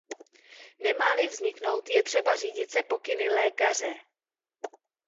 Nemá-li vzniknout, je třeba řídit se pokyny lékaře.